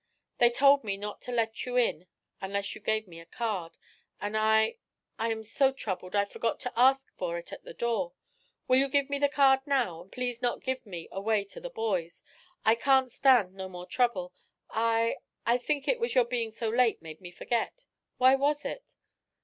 '"They told me not to let you in unless you gave me a card, and I I am so troubled I forgot to ask you for it at the door. Will you give me the card now, an' please not give me away to the boys? I can't stand no more trouble. I I think it was your being so late made me forget. Why was it?"